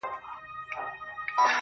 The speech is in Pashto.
اوس نه راکوي راته پېغور باڼه_